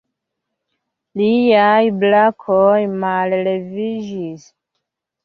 Liaj brakoj malleviĝis.